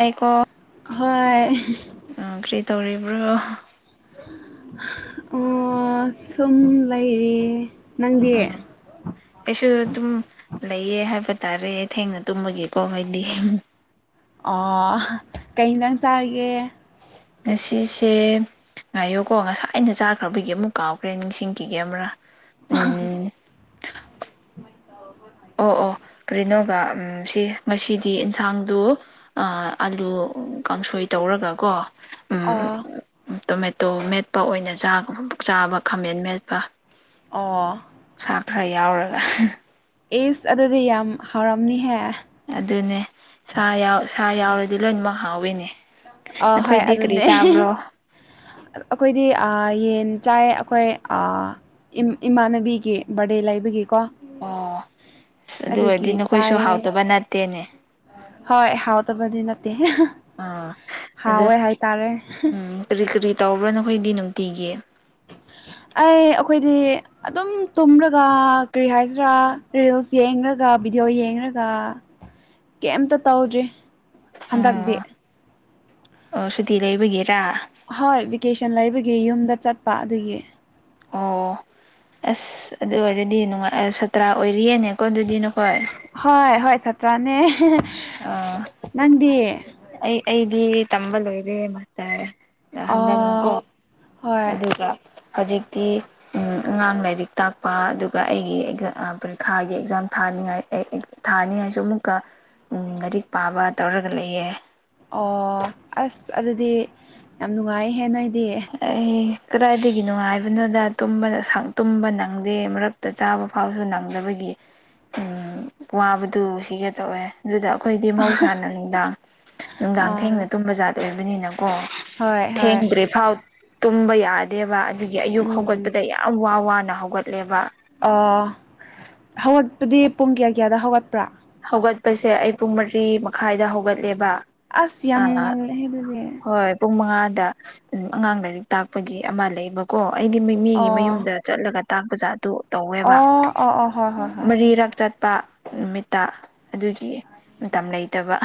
ꯑꯩꯥꯏꯀꯣ ꯍꯣꯏ ꯎ ꯀꯔꯤ ꯇꯧꯔꯤꯕ꯭ꯔꯣ ꯑꯣ ꯁꯨꯝ ꯂꯩꯔꯤ ꯅꯪꯗꯤ ꯎꯝ ꯑꯩꯁꯨ ꯑꯗꯨꯝ ꯂꯩꯌꯦ ꯍꯥꯏꯕ ꯇꯥꯔꯦ ꯊꯦꯡꯅ ꯇꯨꯝꯃꯒꯦꯀꯣ ꯍꯥꯏꯗꯤ ꯑꯣ ꯀꯩꯗꯪ ꯆꯥꯔꯒꯦ ꯉꯁꯤꯁꯦ ꯉꯥꯏꯌꯣꯀꯣ ꯉꯁꯥꯏ ꯑꯩꯅ ꯆꯥꯈ꯭ꯔꯕꯒꯤ ꯑꯃꯨꯛ ꯀꯥꯎꯈ꯭ꯔꯦ ꯅꯤꯡꯁꯤꯡꯈꯤꯒꯦ ꯑꯃꯔꯥ ꯎꯝ [unintelligible] ꯑꯣ ꯑꯣ ꯀꯔꯤꯅꯣꯒ ꯁꯤ ꯉꯁꯤꯗꯤ ꯌꯦꯟꯁꯥꯡꯗꯨ ꯑꯂꯨ ꯀꯥꯡꯁꯣꯏ ꯇꯧꯔꯒꯀꯣ ꯎꯝ ꯑꯥ ꯇꯣꯃꯦꯇꯣ ꯃꯦꯠꯄ ꯑꯣꯏꯅ ꯆꯥꯕ ꯈꯥꯃꯦꯟ ꯃꯦꯠꯄ ꯑ ꯁꯥ ꯈꯔ ꯌꯥꯎꯔꯒ ꯑꯦꯁ ꯑꯗꯨꯗꯤ ꯌꯥꯝ ꯍꯥꯎꯔꯝꯅꯤꯍꯦ ꯑꯗꯨꯅꯦ ꯁꯥ ꯌꯥ ꯁꯥ ꯌꯥꯎꯔꯗꯤ ꯂꯣꯏꯅꯃꯛ ꯍꯥꯎꯋꯤꯅꯦ ꯑ ꯍꯣꯏ ꯅꯈꯣꯏꯗꯤ ꯀꯔꯤ ꯑꯗꯨꯅꯦ ꯆꯥꯕ꯭ꯔꯣ ꯑꯩꯈꯣꯏꯗꯤ ꯌꯦꯟ ꯆꯥꯏ ꯑꯩꯈꯣꯏ ꯏꯃꯥꯟꯅꯕꯤꯒꯤ ꯕꯔꯗꯦ ꯂꯩꯕꯒꯤ ꯀꯣ ꯑꯣ ꯑꯁ ꯑꯗꯨ ꯑꯗꯨꯒꯤ ꯑꯣꯏꯔꯗꯤ ꯆꯥꯏ ꯅꯈꯣꯏꯁꯨ ꯍꯥꯎꯇꯕ ꯅꯠꯇꯦꯅꯦ ꯍꯣꯏ ꯍꯥꯎ ꯇꯕꯗꯤ ꯅꯠꯇꯦ ꯑꯥ ꯑꯗ ꯍꯥꯎꯋꯦ ꯍꯥꯏꯇꯥꯔꯦ ꯎꯝ ꯀꯔꯤ ꯀꯔꯤ ꯇꯧꯕ꯭ꯔꯥ ꯅꯈꯣꯏꯗꯤ ꯅꯨꯡꯇꯤꯒꯤ [inaudible] ꯑꯩ ꯑꯩꯈꯣꯏꯗꯤ ꯑꯗꯨꯝ ꯇꯨꯝꯔꯒ ꯀꯔꯤ ꯍꯥꯏꯁꯤꯔꯥ ꯔꯤꯜꯁ ꯌꯦꯡꯒ ꯚꯤꯗꯤꯑꯣ ꯌꯦꯡꯔꯒ ꯀꯩꯝꯇ ꯇꯧꯗ꯭ꯔꯤ ꯍꯟꯗꯛꯇꯤ ꯎꯝ ꯑꯣ ꯁꯨꯇꯤ ꯂꯩꯕꯒꯤꯔꯥ ꯍꯣꯏ ꯚꯦꯀꯦꯁꯟ ꯂꯩꯕꯒꯤ ꯌꯨꯝꯗ ꯆꯠꯄ ꯑꯗꯨꯒꯤ ꯑꯣ ꯑꯁ ꯑꯗꯨ ꯑꯣꯏꯔꯗꯤ ꯅꯨꯡꯉꯥꯏ ꯁꯥꯇ꯭ꯔꯥ ꯑꯣꯏꯔꯤꯌꯦꯅꯦ ꯍꯣꯏ ꯍꯣꯏ ꯁꯥꯠꯇ꯭ꯔꯥꯅꯦ ꯑꯥ ꯅꯪꯗꯤ ꯑꯩ ꯑꯩꯗꯤ ꯇꯝꯕ ꯂꯣꯏꯔꯦ ꯍꯥꯏꯇꯥꯔꯦ ꯍꯟꯗꯛꯅꯀꯣ ꯑꯣ ꯍꯣꯏ ꯑꯗꯨꯒ ꯍꯧꯖꯤꯛꯇꯤ ꯑꯉꯥꯡ ꯂꯥꯏꯔꯤꯛ ꯇꯥꯛꯄ ꯑꯗꯨꯒ ꯑꯩꯒꯤ ꯑꯦꯛꯖꯥꯝ ꯄꯔꯤꯈꯥꯒꯤ ꯑꯦꯛꯖꯥꯝ ꯊꯥꯅꯤꯡꯉꯥꯏ ꯊꯥꯅꯤ ꯍꯥꯏꯁꯨ ꯑꯃꯨꯛꯀ ꯂꯥꯏꯔꯤꯛ ꯄꯥꯕ ꯇꯧꯔꯒ ꯂꯩꯌꯦ ꯑꯣ ꯑꯁ ꯑꯗꯨꯗꯤ ꯌꯥꯝ ꯅꯨꯡꯉꯥꯏꯍꯦ ꯅꯣꯏ ꯑꯩ ꯀꯗꯥꯏꯗꯒꯤꯅꯣꯉꯥꯏꯕꯅꯣꯗ ꯇꯨꯝꯕ ꯅꯪꯗꯦ ꯃꯔꯛꯇ ꯆꯥꯕ ꯐꯥꯎꯁꯨ ꯅꯪꯗꯕꯒꯤ ꯎꯝ ꯋꯥꯕꯗꯨ ꯁꯤꯒꯦ ꯇꯧꯋꯦ ꯑꯗꯨꯗ ꯑꯩꯈꯣꯏꯗꯤ ꯃꯍꯧꯁꯥꯅ ꯅꯨꯡꯗꯥꯡ ꯅꯨꯡꯗꯥꯡ ꯑꯥ ꯊꯦꯡꯅ ꯇꯨꯝꯕ ꯖꯥꯠ ꯑꯣꯏꯕꯅꯤꯅ ꯑꯣ ꯍꯣꯏ ꯍꯣꯏ ꯊꯦꯡꯗ꯭ꯔꯤꯐꯥꯎ ꯇꯨꯝꯕ ꯌꯥꯗꯦꯕ ꯑꯗꯨꯒꯤ ꯑꯌꯨꯛ ꯎꯝ ꯍꯧꯒꯠꯄꯗ ꯌꯥꯝ ꯋꯥ ꯋꯥꯅ ꯍꯧꯒꯠꯂꯦꯕ ꯑ ꯍꯧꯒꯠꯄꯗꯤ ꯄꯨꯡ ꯀꯌꯥ ꯀꯌꯥꯗ ꯍꯧꯒꯠꯄ꯭ꯔꯥ ꯍꯧꯒꯠꯄꯁꯦ ꯑꯩ ꯄꯨꯡ ꯃꯔꯤ ꯃꯈꯥꯏꯗ ꯍꯧꯒꯠꯂꯦꯕ ꯑꯁ ꯑ ꯌꯥꯝ ꯉꯜꯂꯦꯍꯦ ꯑꯗꯨꯗꯤ ꯍꯣꯏ ꯄꯨꯡ ꯃꯉꯥ ꯑꯉꯥꯡ ꯂꯥꯏꯔꯤꯛ ꯇꯥꯛꯄꯒꯤ ꯑꯃ ꯂꯩꯕꯀꯣ ꯑꯩꯗꯤ ꯃꯤꯒꯤ ꯑꯣ ꯃꯌꯨꯝꯗ ꯆꯠꯂꯒ ꯇꯥꯛ ꯖꯥ ꯑꯗꯨ ꯇꯧꯋꯦꯕ ꯑꯣ ꯑꯣ ꯑꯣ ꯍꯣꯏ ꯍꯣꯏ ꯍꯣꯏ ꯃꯔꯤꯔꯛ ꯆ ꯂꯄꯥ ꯅꯨꯃꯤꯠꯇ ꯑꯗꯨꯒꯤ ꯃꯇꯝ ꯂꯩꯇꯕ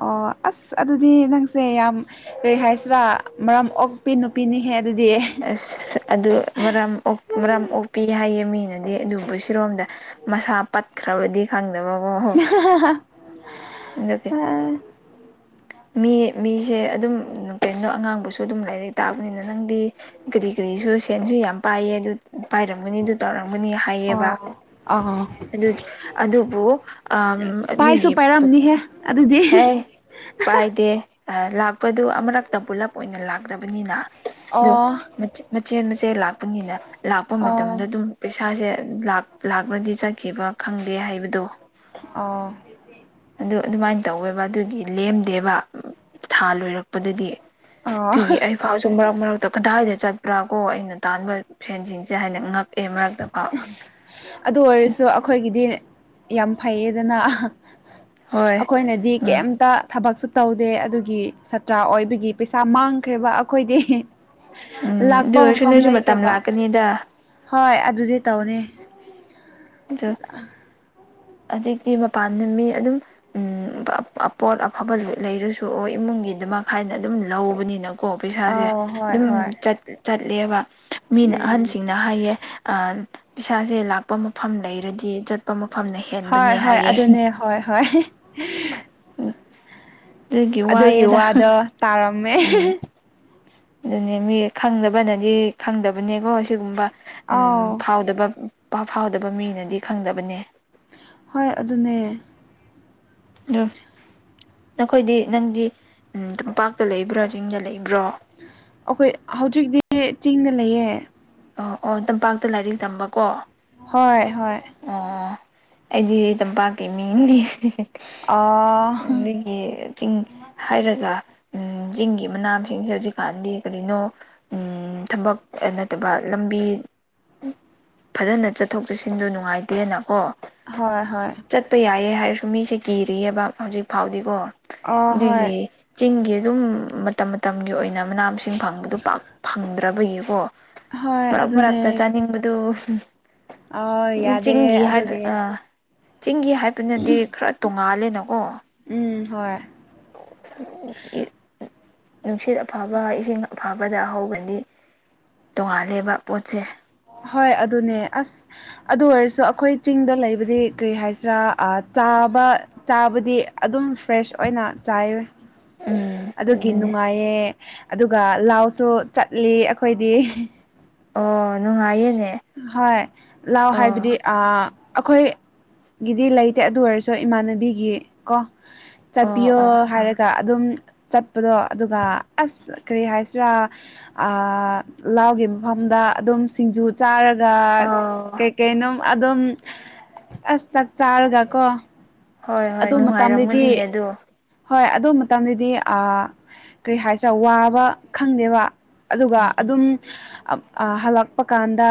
ꯑꯣ ꯑꯁ ꯑꯗꯨꯗꯤ ꯅꯪꯁꯦ ꯌꯥꯝ ꯀꯔꯤ ꯍꯥꯏꯁꯤꯔꯥ ꯃꯔꯝ ꯑꯣꯛꯄꯤ ꯅꯨꯄꯤꯅꯤ ꯍꯦ ꯑꯁ ꯑꯗꯨ ꯃꯔꯝ ꯃꯔꯥꯝ ꯑꯣꯛꯄꯤ ꯍꯥꯏꯌꯦ ꯃꯤꯅꯗꯤ ꯑꯗꯨꯕꯨ ꯁꯤꯔꯣꯝꯗ ꯃꯁꯥ ꯄꯠꯈ꯭ꯔꯕꯗꯤ ꯈꯪꯗꯕꯀꯣ ꯑꯗꯨꯒꯤ ꯑ ꯃꯤ ꯃꯤꯁꯦ ꯑꯗꯨꯝ ꯀꯔꯤꯝꯣ ꯑꯉꯥꯡꯕꯁꯨ ꯑꯗꯨꯝ ꯂꯥꯏꯔꯤꯛ ꯇꯥꯕꯅꯤꯅ ꯅꯪꯗꯤ ꯀꯔꯤ ꯀꯔꯤ ꯑꯗꯨꯁꯨ ꯁꯦꯟꯁꯨ ꯌꯥꯝ ꯄꯥꯏꯌꯦ ꯑꯗꯨ ꯄꯥꯏꯔꯝꯒꯅꯤ ꯑꯗꯨ ꯇꯧꯔꯝꯒꯅꯤ ꯍꯥꯏꯌꯦꯕ ꯑꯥ ꯑꯗꯨ ꯑꯗꯨꯕꯨ ꯑ ꯃꯤꯒꯤ ꯑꯗꯨꯗ ꯍꯦ ꯄꯥꯏꯗꯦ ꯂꯥꯛꯄꯗꯨ ꯑꯃꯨꯔꯛꯇ ꯄꯨꯂꯞ ꯑꯣꯏꯅ ꯂꯥꯛꯇꯕꯅꯤꯅ ꯑꯗꯣ ꯑꯣ ꯃꯆꯦ ꯃꯆꯦ ꯂꯥꯛꯄꯅꯤꯅ ꯂꯥꯛꯄ ꯑꯣ ꯃꯇꯝꯗ ꯑꯗꯨꯝ ꯄꯩ ꯏꯁꯥꯁꯦ ꯂꯥꯛꯄ꯭ꯔꯗꯤ ꯆꯠꯈꯤꯕ ꯈꯪꯗꯦ ꯍꯥꯏꯕꯗꯣ ꯑ ꯑꯗꯨ ꯑꯗꯨꯃꯥꯏꯅ ꯇꯧꯋꯦꯕ ꯑꯗꯨꯒꯤ ꯂꯦꯝꯗꯦꯕ ꯊꯥ ꯂꯣꯏꯔꯛꯄ ꯗꯗꯤ ꯑꯣ ꯇꯨꯏꯒꯤ ꯑꯩ ꯐꯥꯎ ꯃꯔ ꯃꯔꯛꯇ ꯀꯗꯥꯏꯗ ꯆꯠꯄ꯭ꯔꯥ ꯀꯣ ꯑꯩꯅ ꯇꯥꯟꯕ ꯐ꯭ꯔꯦꯟꯁꯤꯡꯁꯦ ꯍꯥꯏꯅ ꯉꯛꯑꯦ ꯃꯔꯛꯇ ꯐꯥꯎ ꯑꯗꯨ ꯑꯣꯏꯔꯁꯨ ꯑꯩꯈꯣꯏꯒꯤꯗꯤ ꯌꯥꯝ ꯐꯩꯌꯦꯗꯅ ꯍꯣꯏ ꯑꯩꯈꯣꯏꯅꯗꯤ ꯎꯝ ꯀꯩꯝꯇ ꯊꯕꯛꯁꯨ ꯇꯧꯗꯦ ꯑꯗꯨꯒꯤ ꯁꯥꯇ꯭ꯔ ꯑꯣꯏꯕꯒꯤ ꯄꯩꯁꯥ ꯃꯥꯡꯈ꯭ꯔꯦꯕ ꯑꯩꯈꯣꯏꯗꯤ ꯎꯝ ꯑꯗꯨ ꯂꯥꯛꯄ ꯑꯣꯏꯔꯁꯨ ꯃꯐꯝꯐꯝ ꯅꯣꯏꯁꯨ ꯃꯇꯝ ꯂꯩꯗꯕ ꯂꯥꯛꯀꯅꯤꯗ ꯍꯣꯏ ꯑꯗꯨꯗꯤ ꯇꯧꯅꯤ ꯆ ꯍꯧꯖꯤꯛꯇꯤ ꯃꯄꯥꯟꯗ ꯃꯤ ꯑꯗꯨꯝ ꯑꯄꯣꯠ ꯑꯐꯕ ꯂꯩꯔꯁꯨ ꯑꯣꯏ ꯏꯃꯨꯡ ꯒꯤ ꯑꯗꯨꯃꯛ ꯍꯥꯏꯅ ꯑꯗꯨꯝ ꯂꯧꯕꯅꯤꯅ ꯀꯣ ꯄꯩꯁꯥꯁꯦ ꯑꯧ ꯍꯣꯏ ꯑꯗꯨꯝ ꯍꯣꯏ ꯆꯠꯂꯦꯕ ꯃꯤꯅ ꯑꯍꯟꯁꯤꯡꯅ ꯍꯥꯏꯌꯦ ꯄꯩꯁꯥꯁꯦ ꯂꯥꯛꯄ ꯃꯐꯝ ꯂꯩꯔꯗꯤ ꯆꯠꯄ ꯃꯐꯝꯅ ꯍꯣꯏ ꯍꯦꯟꯕꯅꯦ ꯍꯣꯏ ꯍꯥꯏꯌꯦ ꯑꯗꯨꯅꯦ ꯍꯣꯏ ꯍꯣꯏ ꯑꯗꯨꯒꯤ ꯋꯥꯗꯣ ꯇꯥꯔꯝꯃꯦ ꯎꯝ ꯑꯗꯨꯅꯦ ꯃꯤ ꯈꯪꯗꯕꯅꯗꯤ ꯈꯪꯗꯕꯅꯦꯀꯣ ꯁꯤꯒꯨꯝꯕ ꯎꯝ ꯑꯥꯎ ꯐꯥꯎꯗꯕ ꯐꯥꯎꯗꯕ ꯃꯤꯅꯗꯤ ꯈꯪꯗꯕꯅꯦ ꯍꯣꯏ ꯑꯗꯨꯅꯦ ꯑꯣ ꯅꯈꯣꯏꯗꯤ ꯅꯪꯗꯤ ꯎ ꯇꯝꯄꯥꯛꯇ ꯂꯩꯕ꯭ꯔꯥ ꯆꯤꯡꯗ ꯂꯩꯕꯥ ꯑꯩꯈꯣꯏ ꯍꯧꯖꯤꯛꯇꯤ ꯆꯤꯡꯗ ꯂꯩꯌꯦ ꯑꯣ ꯑꯣ ꯇꯝꯄꯥꯛꯇ ꯂꯥꯏꯔꯤꯛ ꯇꯝꯕꯀꯣ ꯍꯣꯏ ꯍꯣꯏ ꯑꯣ ꯑꯩꯗꯤ ꯇꯝꯄꯥꯛꯀꯤ ꯃꯤ ꯂꯤ ꯑꯥ ꯑꯗꯒꯤ ꯆꯤꯡ ꯍꯥꯏꯔꯒ ꯎ ꯆꯤꯡꯒꯤ ꯃꯅꯥ ꯃꯁꯤꯡꯁꯦ ꯍꯧꯖꯤꯛꯀꯥꯟꯗꯤ ꯀꯔꯤꯅꯣ ꯎ ꯊꯕꯛ ꯅꯠꯇꯕ ꯂꯝꯕꯤ ꯐꯖꯅ ꯆꯠꯊꯣꯛ ꯆꯠꯁꯤꯟꯗ ꯅꯨꯡꯉꯥꯏꯇꯦꯅꯀꯣ ꯍꯣꯏ ꯍꯣꯏ ꯍꯧ ꯐ ꯑꯥ ꯍꯣꯏ ꯑꯗꯨꯝ ꯃꯇꯝ ꯃꯇꯝꯒꯤ ꯑꯣꯏꯅ ꯃꯅꯥ ꯃꯁꯤꯡ ꯐꯪꯕꯗꯨ ꯄꯥꯛ ꯐꯪꯗ꯭ꯔꯕꯒꯤꯀꯣ ꯍꯣꯏ ꯃꯔꯛ ꯑꯗꯨꯅꯦ ꯃꯔꯛꯇ ꯆꯥꯅꯤꯡꯕꯗꯨ ꯑꯥ ꯌꯥꯗꯦ ꯆꯤꯡꯒꯤ ꯍꯥꯏꯕ ꯑꯗꯨꯒꯤ ꯑ ꯆꯤꯡꯒꯤ ꯍꯥꯏꯕꯅꯗꯤ ꯈꯔ ꯇꯣꯡꯉꯥꯜꯂꯦꯅꯀꯣ ꯎꯝ ꯍꯣꯏ [inaudible] ꯅꯨꯡꯁꯤꯠ ꯑꯐꯕ ꯏꯁꯤꯡ ꯑꯐꯕꯗ ꯍꯧꯕꯗꯤ ꯇꯣꯡꯉꯥꯜꯂꯦꯕ ꯄꯣꯠꯁꯦ ꯍꯣꯏ ꯑꯗꯨꯅꯦ ꯑꯁ ꯑꯗꯨ ꯑꯣꯏꯔꯁꯨ ꯑꯩꯈꯣꯏ ꯆꯤꯡꯗ ꯂꯩꯕꯗꯤ ꯀꯔꯤ ꯍꯥꯏꯁꯤꯔꯥꯥ ꯆꯥꯕ ꯆꯥꯕꯗꯤ ꯑꯗꯨꯝ ꯐ꯭ꯔꯦꯁ ꯑꯣꯏꯅ ꯆꯥꯏ ꯎꯝ ꯑꯗꯨꯒꯤ ꯑꯗꯨꯅꯦ ꯅꯨꯡꯉꯥꯏꯌꯦ ꯑꯗꯨꯒ ꯂꯥꯎꯁꯨ ꯆꯠꯂꯤ ꯑꯩꯈꯣꯏꯗꯤ ꯑꯣ ꯅꯨꯡꯉꯥꯏꯅꯦ ꯍꯣꯏ ꯂꯥꯛꯑꯣ ꯍꯥꯏꯕꯗꯤ ꯑ ꯑꯩꯈꯣꯏꯒꯤꯗꯤ ꯂꯩꯇꯦ ꯑꯗꯨ ꯑꯣꯏꯔꯁꯨ ꯏꯃꯥꯟꯅꯕꯤꯒꯤ ꯀꯣ ꯑꯣ ꯆꯠꯄꯤꯌꯣ ꯑꯣ ꯍꯥꯏꯔꯒ ꯑꯗꯨꯝ ꯆꯠꯄꯗꯣ ꯑꯗꯨꯒ ꯑꯁ ꯀꯔꯤ ꯍꯥꯏꯁꯤꯔꯥ ꯂꯥꯎꯒꯦ ꯃꯐꯝꯗ ꯑꯗꯨꯝ ꯁꯤꯡꯖꯨ ꯆꯥꯔꯒ ꯑꯣ ꯀꯩ ꯀꯩꯅꯝ ꯑꯗꯨꯝ ꯑꯁ ꯆꯥꯛ ꯆꯥꯔꯒ ꯀꯣ ꯍꯣꯏ ꯍꯣꯏ ꯑꯗꯨ ꯃꯇꯝꯗꯗꯤ ꯅꯨꯡꯉꯥꯏꯔꯝꯒꯅꯤꯅꯦ ꯑꯗꯣ ꯍꯣꯏ ꯑꯗꯨ ꯃꯇꯝꯗꯨꯗꯤ ꯀꯔꯤ ꯍꯥꯏꯁꯤ꯭ꯔꯥ ꯋꯥꯕ ꯈꯪꯗꯦꯕ ꯑꯗꯨꯒ ꯑꯗꯨꯝ ꯍꯜꯂꯛꯄ ꯀꯥꯟꯗ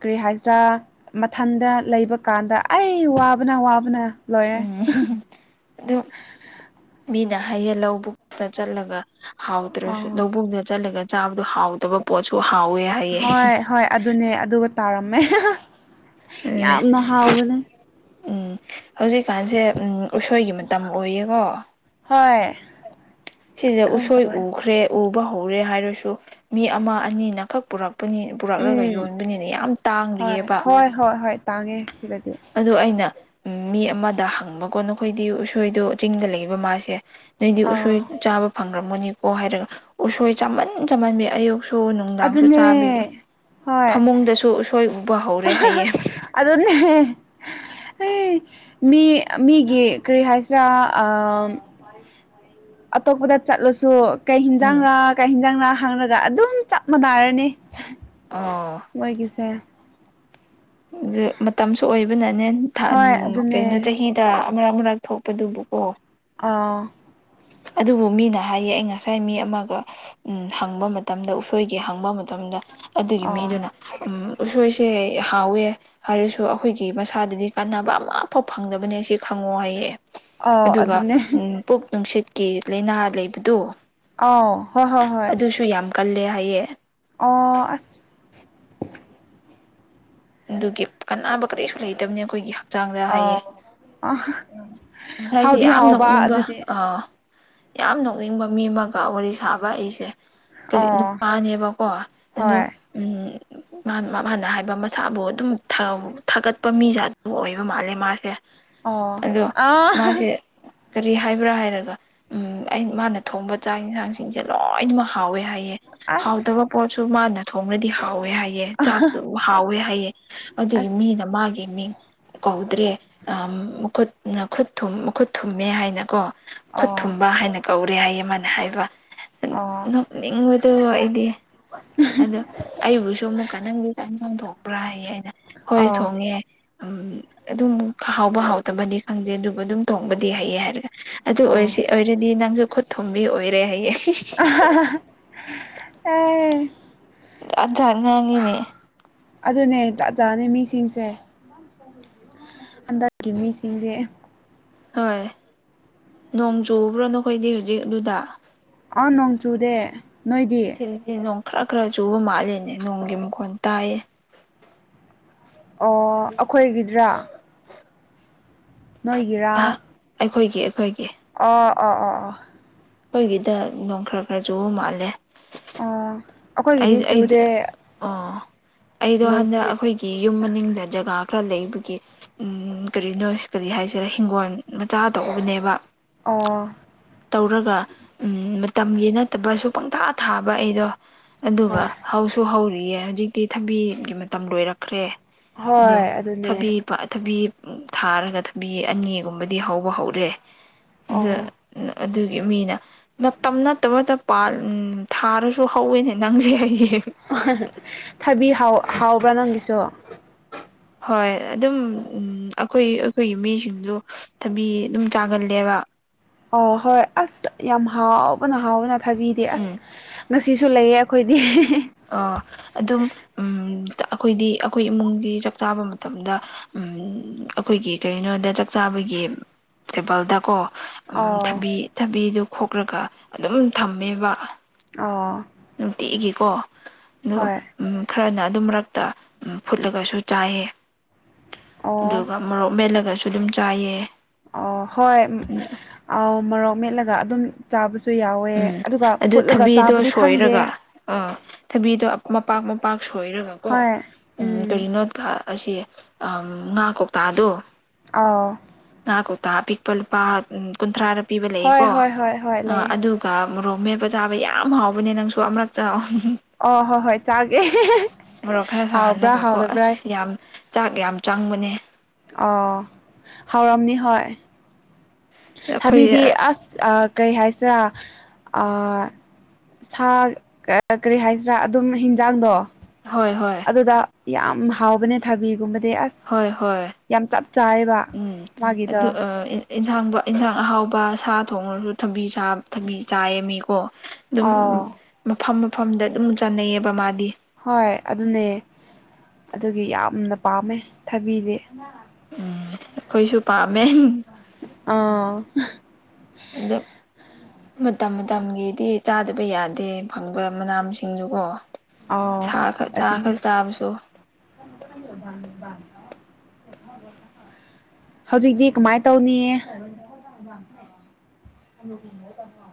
ꯀꯔꯤ ꯍꯥꯏꯁꯤꯔꯥ ꯃꯊꯟꯗ ꯂꯩꯕ ꯀꯥꯟꯗ ꯑꯩ ꯋꯥꯕꯅ ꯎꯋꯥꯕꯅ ꯂꯣꯏꯔꯦ ꯎꯝ ꯑꯗꯨ ꯃꯤꯅ ꯍꯌꯦ ꯂꯧꯕꯛꯇ ꯆꯠꯂꯒ ꯍꯥꯎꯗ꯭ꯔꯁꯨ ꯑꯥ ꯂꯧꯕꯨꯡꯗ ꯆꯠꯂꯒ ꯆꯥꯕꯗꯣ ꯍꯥꯎꯗꯕ ꯄꯣꯠꯁꯨ ꯍꯥꯎꯋꯦ ꯍꯥꯏꯌꯦ ꯍꯣꯏ ꯍꯣꯏ ꯑꯗꯨꯅꯦ ꯑꯗꯨꯒ ꯇꯥꯔꯝꯃꯦ ꯑꯗꯨꯅꯦ ꯌꯥꯝꯅ ꯍꯥꯎꯕꯅꯦ ꯎꯝ ꯍꯧꯖꯤꯛꯀꯥꯟꯁꯦ ꯎꯝ ꯎꯁꯣꯏꯒꯤ ꯃꯇꯝ ꯑꯣꯏꯌꯦꯀꯣ ꯍꯣꯏ ꯁꯤꯗ ꯑꯗꯨꯝ ꯎꯁꯣꯏ ꯇꯧꯋꯦ ꯎꯈ꯭ꯔꯦ ꯎꯕ ꯍꯧꯔꯦ ꯍꯥꯏꯔꯁꯨ ꯃꯤ ꯑꯃ ꯑꯅꯤꯅꯈꯛ ꯄꯨꯔ ꯄꯅꯤ ꯄꯨꯔꯛꯂꯒ ꯎꯝ ꯌꯣꯟꯕꯅꯤꯅ ꯌꯥꯝ ꯍꯣꯏ ꯇꯥꯡꯔꯤꯑꯕ ꯍꯣꯏ ꯍꯣꯏ ꯍꯣꯏ ꯇꯥꯡꯉꯦ ꯁꯤꯗꯗꯤ ꯑ ꯑꯩꯅ ꯎ ꯃꯤ ꯑꯃꯗ ꯍꯪꯕꯀꯣ ꯅꯈꯣꯏꯗꯤ ꯎꯁꯣꯏꯗꯣ ꯆꯤꯡꯗ ꯂꯩꯕ ꯃꯥꯁꯦ ꯅꯣꯏꯗꯤ ꯎꯁꯣꯏ ꯑꯥ ꯆꯥꯕ ꯐꯪꯈ꯭ꯔꯝꯃꯅꯤꯀꯣ ꯍꯥꯏꯔꯒ ꯎꯁꯣꯏ ꯆꯃꯟ ꯆꯝꯃꯟꯕꯤ ꯑꯌꯨꯛ ꯁꯨ ꯅꯨꯡꯗꯥꯡꯁꯨ ꯑꯗꯨꯅꯦ ꯆꯥꯕꯤꯌꯦꯦ ꯍꯣꯏ ꯐꯃꯨꯡꯗꯁꯨ ꯎꯁꯣꯏ ꯎꯕ ꯍꯧꯔꯦ ꯍꯥꯏꯌꯦꯦ ꯑꯦ ꯃꯤ ꯃꯤꯒꯤ ꯀꯔꯤ ꯍꯥꯏꯁꯤꯔꯥ ꯑ ꯑꯇꯣꯞꯄꯗ ꯆꯠꯂꯁꯨ ꯀꯩ ꯎꯝ ꯍꯤꯟꯖꯥꯡꯔꯥ ꯀꯩ ꯍꯤꯟꯖꯥꯡꯔꯥ ꯍꯥꯡꯉꯒ ꯑꯗꯨꯝ ꯆꯞ ꯃꯥꯟꯅꯔꯅꯤ ꯑꯣ ꯑꯣꯏꯣꯏꯒꯤꯁꯦ ꯑꯗꯨ ꯃꯇꯝꯁꯨ ꯑꯣꯏꯕꯅꯅꯦ ꯍꯣꯏ ꯑꯗꯨꯅꯦ ꯀꯩꯅꯣ ꯆꯍꯤꯗ ꯃꯔꯛ ꯃꯔꯛ ꯊꯣꯛꯄꯗꯨꯕꯨꯀꯣ ꯑꯥ ꯑꯗꯨꯕꯨ ꯃꯤꯅ ꯍꯥꯏꯌꯦ ꯑꯩ ꯉꯁꯥꯏ ꯃꯤ ꯑꯃꯒ ꯎꯝ ꯍꯪꯕ ꯃꯇꯝꯗ ꯎꯁꯣꯏꯒꯤ ꯍꯪꯕ ꯃꯇꯝꯗ ꯑꯗꯨꯒꯤ ꯑꯥ ꯃꯤꯗꯨꯅ ꯎ ꯎꯁꯣꯏꯁꯦ ꯌꯥꯎꯋꯦ ꯍꯥꯏꯔꯁꯨ ꯑꯩꯈꯣꯏꯒꯤ ꯃꯁꯥꯗꯗꯤ ꯀꯥꯟꯅꯕ ꯑꯃꯐꯥꯎ ꯐꯪꯗꯕꯅꯦ ꯁꯤ ꯈꯪꯉꯣ ꯍꯥꯏꯌꯦ ꯑꯥꯎ ꯑꯗꯨꯒ ꯑꯗꯨꯅꯦ ꯄꯨꯛ ꯅꯨꯡꯁꯤꯠꯀꯤ ꯂꯥꯏꯅꯥ ꯂꯩꯕꯗꯨ ꯑ ꯍꯣꯏ ꯍꯣꯏ ꯍꯣꯏ ꯑꯗꯨꯁꯨ ꯌꯥꯝ ꯀꯜꯂꯦ ꯍꯥꯏꯌꯦ ꯑꯣ ꯑꯁ ꯑꯗꯨꯒꯤ ꯀꯅꯥꯅꯕ ꯀꯔꯤꯁꯨ ꯂꯩꯇꯕꯅꯤ ꯑꯩꯈꯣꯏꯒꯤ ꯍꯛꯆꯥꯡꯗ ꯍꯥꯏꯌꯦ ꯑꯥꯎ ꯑ ꯎ ꯉꯁꯥꯏꯁꯦ ꯍꯥꯎꯗꯤ ꯌꯥꯝ ꯍꯥꯎꯕ ꯅꯣꯛꯅꯤꯡꯕ ꯑꯗꯨꯗꯤ ꯑꯥ ꯌꯥꯝ ꯅꯣꯛꯅꯤꯡꯕ ꯃꯤ ꯑꯃꯒ ꯋꯥꯔꯤ ꯁꯥꯕ ꯑꯩꯁꯦ ꯀ ꯑꯣ ꯅꯨꯄꯥꯅꯦꯕꯀꯣ ꯑꯗꯣ ꯍꯣꯏ ꯎꯝꯅ ꯍꯥꯏꯕ ꯑꯃ ꯏꯁꯥꯕꯨ ꯑꯗꯨꯝ ꯊꯥꯒꯠꯄ ꯃꯤꯁꯦ ꯑꯗꯨꯝ ꯑꯣꯏꯕ ꯃꯥꯜꯂꯦ ꯃꯥꯁꯦ ꯑ ꯑꯗꯣ ꯑ ꯃꯥꯁꯦ ꯀꯔꯤ ꯍꯥꯏꯕ꯭ꯔꯥ ꯍꯥꯏꯔꯒ ꯎꯝ ꯑꯩ ꯃꯥꯅ ꯊꯣꯡꯕ ꯆꯥꯛ ꯏꯟꯁꯥꯡꯁꯤꯡꯁꯦ ꯂꯣꯏꯅꯃꯛ ꯍꯥꯎꯋꯦ ꯍꯥꯏꯑꯦ ꯍꯥꯎꯗꯕ ꯑꯁ ꯄꯣꯠꯁꯨ ꯃꯥꯅ ꯊꯣꯡꯅꯗꯤ ꯍꯥꯎꯋꯦ ꯍꯥꯏꯑꯦ ꯆꯥꯛꯁꯨ ꯍꯥꯎꯋꯦ ꯍꯩꯌꯦ ꯑꯗꯨꯒꯤ ꯑꯁ ꯃꯤꯅ ꯃꯥꯒꯤ ꯃꯤꯡ ꯀꯧꯗ꯭ꯔꯦ ꯑ ꯃꯈꯨꯠ ꯈꯨꯠ ꯃꯈꯨꯠ ꯊꯨꯝꯃꯦ ꯍꯥꯏꯅꯀꯣ ꯈꯨꯠ ꯑꯣ ꯊꯨꯝꯕ ꯍꯥꯏꯅ ꯀꯧꯔꯦ ꯍꯥꯏꯌꯦ ꯃꯥꯅ ꯍꯥꯏꯕ ꯑꯣ ꯅꯤꯡ ꯑꯣꯏꯣꯏꯗ ꯏꯗꯤꯦ ꯑꯗꯣ ꯑꯩꯕꯨꯁꯨ ꯑꯃꯨꯛꯀ ꯅꯪꯗꯤ ꯆꯥꯛ ꯏꯟꯁꯥꯡ ꯊꯣꯡꯕ꯭ꯔꯥ ꯍꯥꯏꯌꯦ ꯍꯥꯏꯅ ꯍꯣꯏ ꯑꯣ ꯊꯣꯡꯉꯦ ꯎꯝ ꯑꯗꯨꯝ ꯍꯥꯎꯕ ꯍꯥꯎꯇꯕꯗꯤ ꯈꯪꯗꯦ ꯑꯗꯨꯕꯨ ꯑꯗꯨꯝ ꯊꯣꯡꯕꯗꯤ ꯍꯩꯌꯦ ꯍꯥꯏꯔꯒ ꯑꯗꯨ ꯑꯣ ꯑꯣꯏꯔꯁꯤ ꯑꯣꯏꯔꯗꯤ ꯅꯪꯁꯨ ꯈꯨꯠ ꯊꯨꯝꯕꯤ ꯑꯣꯏꯔꯦ ꯍꯥꯏꯌꯦ ꯑꯦ ꯑꯖ ꯉꯥꯡꯅꯤꯅꯦ ꯑꯗꯨꯅꯦ ꯆꯠ ꯆꯥꯅꯦ ꯃꯤꯁꯤꯡꯁꯦ ꯑꯗꯒꯤ ꯃꯤꯁꯤꯡꯁꯦ ꯍꯣꯏ ꯅꯣꯡ ꯆꯨꯕ꯭ꯔꯣ ꯅꯈꯣꯏꯗꯤ ꯍꯧꯖꯤꯛ ꯑꯗꯨꯗ ꯑ ꯅꯣꯡꯣꯡ ꯆꯨꯗꯦ ꯅꯣꯏꯗꯤ ꯁꯤꯗꯤ ꯅꯣꯡ ꯈꯔ ꯈꯔ ꯆꯨꯕ ꯃꯥꯜꯂꯅꯦ ꯅꯣꯡꯒꯤ ꯃꯈꯣꯟꯜ ꯇꯥꯏꯌꯦ ꯑꯣ ꯑꯩꯈꯣꯏꯒꯤꯗ꯭ꯔꯥ ꯅꯣꯏꯒꯔꯥ ꯑꯥ ꯑꯩꯈꯣꯏꯒꯤ ꯑꯩꯈꯣꯏꯒꯤ ꯑꯣ ꯑꯣ ꯑꯣ ꯑꯩꯈꯣꯏꯒꯤꯗ ꯅꯣꯡ ꯈꯔ ꯈꯔꯁꯨ ꯃꯥꯜꯂꯦ ꯑꯣ ꯑꯩ ꯑꯩ ꯑꯩꯈꯣꯏꯒꯤꯗꯤ ꯑꯣ ꯆꯨꯁꯦ ꯑꯩꯗꯣ ꯍꯟꯗꯛ ꯑꯩꯈꯣꯏꯒꯤ ꯌꯨꯝ ꯃꯅꯤꯡꯗ ꯖꯒꯥ ꯈꯔ ꯂꯩꯕꯒꯤ ꯎꯝ ꯀꯔꯤꯅꯣ ꯀꯔꯤ ꯍꯥꯏꯁꯤꯔꯦ ꯍꯤꯡꯒꯣꯜ ꯃꯆꯥ ꯇꯧꯕꯅꯦꯕ ꯑꯣ ꯇꯧꯔꯒ ꯎꯝ ꯃꯇꯝꯒꯤ ꯅꯠꯇꯕꯁꯨ ꯄꯪꯊꯥ ꯊꯥꯕ ꯑꯩꯗꯣ ꯑꯗꯨꯒ ꯍꯣꯏ ꯍꯧꯁꯨ ꯍꯧꯔꯤꯌꯦ ꯍꯧꯖꯤꯛꯇꯤ ꯊꯕꯤꯒꯤ ꯃꯇꯝ ꯂꯣꯏꯔꯛꯈ꯭ꯔꯦ ꯑꯗꯣ ꯍꯣꯏ ꯊꯕꯤ ꯑꯗꯨꯅꯦ ꯊꯕꯤ ꯊꯥꯔꯒ ꯊꯕꯤ ꯑꯅꯤꯒꯨꯝꯕꯗꯤ ꯍꯧꯕ ꯍꯧꯔꯦ ꯑꯗ ꯑꯣ ꯑꯗꯨꯒꯤ ꯃꯤꯅ ꯃꯇꯝ ꯅꯠꯇꯕꯗ ꯄ ꯊꯥꯔꯁꯨ ꯍꯧꯋꯦꯅꯦ ꯅꯪꯁꯦ ꯑꯩꯒꯤ ꯊꯕꯤꯥꯎ ꯍꯥꯎꯕ꯭ꯔꯥ ꯅꯪꯒꯤꯁꯨ ꯍꯣꯏ ꯑꯗꯨꯝꯝ ꯑꯩꯈꯣꯏ ꯑꯩꯈꯣꯏꯒꯤ ꯃꯤꯁꯤꯡꯁꯨ ꯊꯕꯤ ꯑꯗꯨꯝ ꯆꯥꯡꯒꯜꯂꯦꯕ ꯑ ꯍꯣꯏ ꯑꯁ ꯌꯥꯝ ꯍꯥꯎꯕꯅ ꯍꯥꯎꯕꯅ ꯊꯥꯕꯤꯗꯦ ꯑꯁ ꯎꯝ ꯉꯁꯤ ꯁꯤꯁꯨ ꯂꯩꯌꯦ ꯑꯩꯈꯣꯏꯗꯤ ꯑ ꯑꯗꯨꯝ ꯑꯩꯈꯣꯏꯗꯤ ꯑꯩꯈꯣꯏ ꯏꯃꯨꯡꯗꯤ ꯆꯥꯛ ꯆꯥꯕ ꯃꯇꯝꯗ ꯑꯩꯈꯣꯏꯒꯤ ꯀꯔꯤꯅꯣꯗ ꯆꯥꯛ ꯆꯥꯕꯒꯤ ꯇꯦꯄꯜꯗꯀꯣ ꯎꯝ ꯑꯣ ꯊꯕꯤ ꯊꯕꯤꯗꯨ ꯈꯣꯛꯈꯂꯒ ꯑꯗꯨꯝ ꯊꯝꯃꯦꯕ ꯑꯥ ꯅꯨꯡꯇꯤꯏꯒꯤꯀꯣ ꯑꯣ ꯎ ꯈꯔꯅ ꯑꯗꯨꯝ ꯃꯔꯛꯇ ꯐꯨꯠꯂꯒꯁꯨ ꯆꯥꯏꯑꯦ ꯑꯣ ꯑꯗꯨꯒ ꯃꯣꯔꯣꯛ ꯃꯦꯜꯂꯒꯁꯨ ꯑꯗꯨꯝ ꯆꯥꯏꯑ ꯑꯣ ꯍꯣꯏ ꯑ ꯃꯣꯔꯣꯛ ꯃꯦꯠꯂꯒ ꯑꯗꯨꯝ ꯆꯥ ꯁꯨ ꯌꯥꯎꯋꯦ ꯎꯝ ꯑꯗꯨꯒ ꯑꯗꯨ ꯐꯨꯠꯂꯒ ꯊꯕꯤꯗꯣ ꯆꯥꯕꯗꯤ ꯈꯪꯗꯦ ꯁꯣꯏꯔꯒ ꯑꯥ ꯊꯕꯤꯗꯣ ꯃꯄꯥꯛ ꯃꯄꯥꯛ ꯁꯣꯏꯔꯒꯀꯣ ꯍꯣꯏ ꯎ ꯎꯝ ꯀꯔꯤꯅꯣ ꯑꯁꯤ ꯉꯥ ꯀꯧꯇꯥꯗꯣ ꯑ ꯉꯥ ꯀꯧꯇꯥ ꯑꯄꯤꯛꯄ ꯂꯨꯄꯥ ꯀꯨꯟꯊ꯭ꯔꯥꯗ ꯄꯤꯕ ꯍꯣꯏ ꯂꯩꯌꯦꯀꯣ ꯍꯣꯏ ꯍꯣꯏ ꯍꯣꯏ ꯂꯩꯌꯦ ꯑꯗꯨ ꯃꯣꯔꯣꯛ ꯃꯦꯞꯄ ꯆꯥꯕ ꯌꯥꯝ ꯍꯥꯎꯕꯅꯦ ꯅꯪꯁꯨ ꯑꯃꯔꯛ ꯆ ꯑꯣ ꯍꯣꯏ ꯍꯣꯏ ꯆꯥꯒꯦ ꯃꯔꯣꯛ ꯈꯔ ꯍꯥꯎꯕ꯭ꯔꯥ ꯁꯥꯍꯜꯂꯒꯀꯣ ꯍꯥꯎꯗꯕ꯭ꯔꯥ ꯑꯁ ꯌꯥꯝ ꯆꯥꯛ ꯌꯥꯝ ꯆꯪꯕꯅꯦ ꯑꯣ ꯍꯥꯎꯔꯝꯅꯤ ꯍꯣꯏ ꯑꯩꯈꯣꯏ ꯊꯥꯕꯤꯗꯤ ꯑꯁ ꯀꯔꯤ ꯍꯥꯏꯁꯤꯔꯥ ꯁꯥ ꯀꯔꯤ ꯍꯥꯏꯁꯤ꯭ꯔꯥ ꯑꯗꯨꯝ ꯍꯤꯟꯖꯥꯡꯗꯣ ꯍꯣꯏ ꯍꯣꯏ ꯑꯗꯨꯗ ꯌꯥꯝ ꯍꯥꯎꯕꯅꯦ ꯊꯕꯤꯒꯨꯝꯕꯗꯤ ꯑꯁ ꯍꯣꯏ ꯍꯣꯏ ꯌꯥꯝ ꯆꯞ ꯆꯥꯏꯌꯦꯕ ꯎꯝ ꯑꯗꯨ ꯃꯥꯒꯤꯗꯣ ꯏꯟꯁꯥꯡ ꯏꯟꯁꯥꯡ ꯑꯍꯥꯎꯕ ꯁꯥ ꯊꯣꯡꯉꯁꯨ ꯊꯕꯤ ꯊꯕꯤ ꯆꯥꯏꯃꯤꯀꯣ ꯑꯗꯨꯝ ꯑꯥꯎ ꯃꯐꯝ ꯃꯐꯝꯗ ꯑꯗꯨꯝ ꯆꯥꯅꯩꯑꯕ ꯃꯥꯗꯤ ꯍꯣꯏ ꯑꯗꯨꯅꯦ ꯑꯗꯨꯒꯤ ꯌꯥꯝꯅ ꯄꯥꯝꯃꯦ ꯊꯕꯤꯗꯤ ꯑ ꯎꯝ ꯑꯩꯈꯣꯏꯁꯨ ꯄꯥꯝꯃꯦ ꯑꯥ ꯑꯗ ꯃꯇꯝ ꯃꯇꯝꯒꯤꯗꯤ ꯆꯥꯗꯕ ꯌꯥꯗꯦ ꯐꯪꯕ ꯃꯅꯥꯁꯤꯡꯗꯨ ꯀꯣ ꯑꯥꯎ ꯁꯥ ꯈꯛ ꯁꯥ ꯑꯗꯨꯅꯦ ꯈꯔ ꯆꯥꯕꯁꯨ ꯍꯧꯖꯤꯛꯇꯤ ꯀꯃꯥꯏꯅ ꯇꯧꯅꯤꯌꯦ ꯂ